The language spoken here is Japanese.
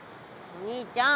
お兄ちゃん。